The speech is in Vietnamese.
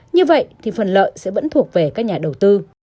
như vậy thì phần lợi sẽ vẫn thuộc về các nhà đầu tư